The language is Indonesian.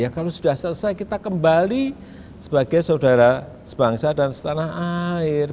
kalau sudah selesai kita kembali sebagai saudara sebangsa dan setanah air